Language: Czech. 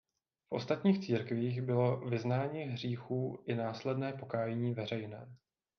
V ostatních církvích bylo vyznání hříchů i následné pokání veřejné.